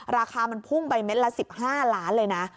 ราคามันพุ่งไปเม็ดละ๑๕ล้านเลยนะ